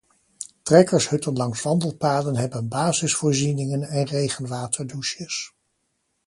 Trekkershutten langs wandelpaden hebben basisvoorzieningen en regenwaterdouches.